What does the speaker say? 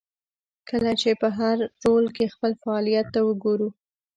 کله چې په هر رول کې خپل فعالیت ته وګورو.